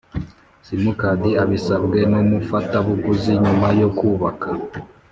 Simukadi abisabwe n umufatabuguzi nyuma yo kubaka